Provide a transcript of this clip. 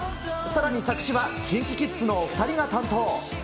さらに作詞はＫｉｎｋｉＫｉｄｓのお２人が担当。